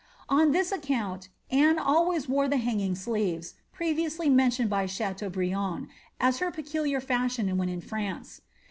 On this account Aunt always wore the hanging sleeves, previously mentioned by Cha tetubriant, as her peculiar fiishion when in France.